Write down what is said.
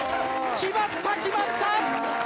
決まった、決まった！